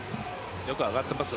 よく上がっています。